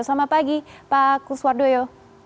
selamat pagi pak kuswardoyo